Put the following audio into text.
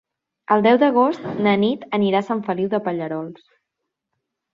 El deu d'agost na Nit anirà a Sant Feliu de Pallerols.